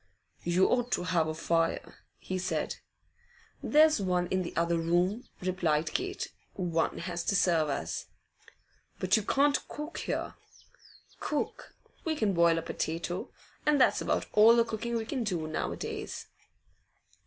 'You ought to have a fire,' he said. 'There's one in the other room,' replied Kate. 'One has to serve us.' 'But you can't cook there.' 'Cook? We can boil a potato, and that's about all the cooking we can do now a days.